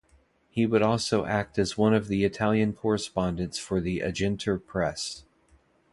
He would also act as one of the Italian correspondents for the Aginter Press.